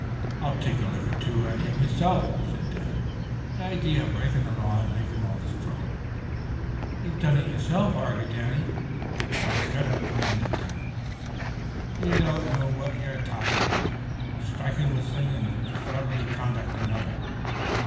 "I'll take a lick or two at ye mesilf," said Dan. "The idee of breakin' the law an' makin' all this throuble." "You've done it yourself," argued Danny. "Shut up!" commanded Dan. "Ye don't know what ye're talkin' about. A sthrike's wan thing an' disordherly conduct's another."